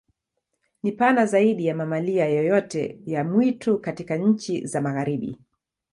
Ni pana zaidi ya mamalia yoyote ya mwitu katika nchi za Magharibi.